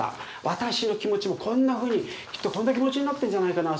「私」の気持ちもこんなふうにきっとこんな気持ちになってるんじゃないかな？